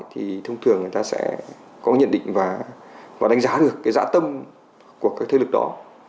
thì thông thường người ta sẽ có nhận định và đánh giá được cái dã tâm của các thế lực đó